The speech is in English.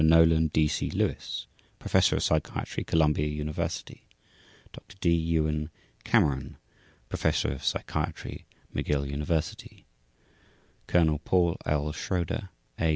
NOLAN D. C. LEWIS Professor of Psychiatry, Columbia University /s/ DR. D. EWEN CAMERON Professor of Psychiatry, McGill University /s/ COL. PAUL L. SCHROEDER A.